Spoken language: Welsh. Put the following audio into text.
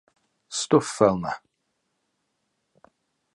Stwff fel ‘na.